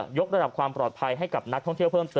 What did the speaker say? กระดับความปลอดภัยให้กับนักท่องเที่ยวเพิ่มเติม